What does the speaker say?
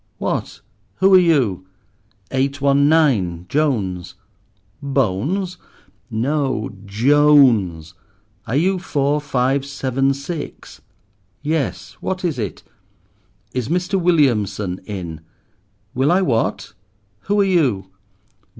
"What! who are you?" "Eight one nine, Jones." "Bones?" "No, _J_ones. Are you four five seven six?" "Yes; what is it?" "Is Mr. Williamson in?" "Will I what—who are you?"